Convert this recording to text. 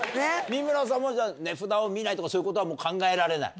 値札を見ないとかそういうことは考えられない？